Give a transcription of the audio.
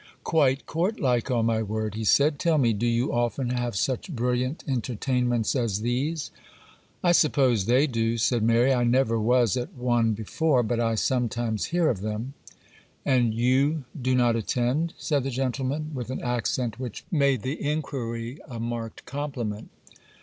'Quite court like, on my word,' he said: 'tell me, do you often have such brilliant entertainments as these?' 'I suppose they do,' said Mary; 'I never was at one before, but I sometimes hear of them.' 'And you do not attend?' said the gentleman, with an accent which made the inquiry a marked compliment.